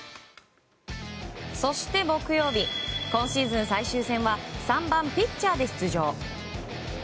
そして木曜日今シーズン最終戦は３番ピッチャーで出場。